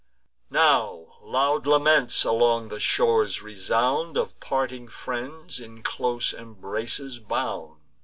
Now loud laments along the shores resound, Of parting friends in close embraces bound.